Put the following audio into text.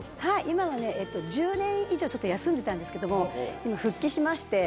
今はね１０年以上ちょっと休んでたんですけども今復帰しまして。